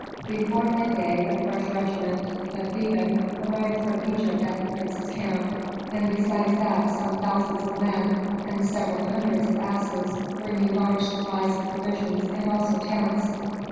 Before midday a fresh regiment, the Theban, arrived from Egypt at the prince's camp, and besides that some thousands of men and several hundreds of asses bringing large supplies of provisions and also tents.